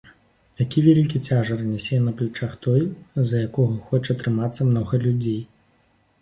Які вялікі цяжар нясе на плячах той, за якога хоча трымацца многа людзей!